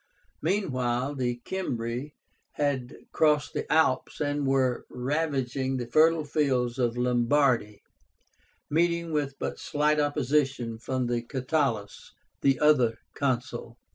Meanwhile, the Cimbri had crossed the Alps and were ravaging the fertile fields of Lombardy, meeting with but slight opposition from Catulus, the other Consul.